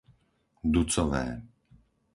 Ducové